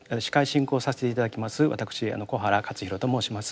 私小原克博と申します。